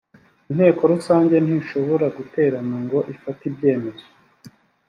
inteko rusange ntishobora guterana ngo ifate ibyemezo